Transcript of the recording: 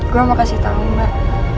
gue mau kasih tahu mbak